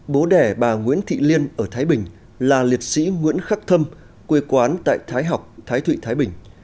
bố đẻ bà nguyễn thị liên ở thái bình là liệt sĩ nguyễn khắc thâm quê quán tại thái học thái thụy thái bình